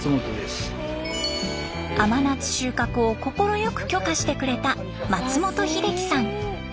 甘夏収穫を快く許可してくれた松本秀樹さん。